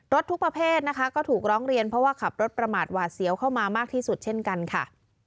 ทุกประเภทนะคะก็ถูกร้องเรียนเพราะว่าขับรถประมาทหวาดเสียวเข้ามามากที่สุดเช่นกันค่ะ